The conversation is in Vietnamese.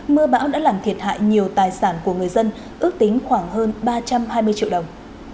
mưa bão đã làm thiệt hại nhiều tài sản của người dân ước tính khoảng hơn ba trăm hai mươi triệu đồng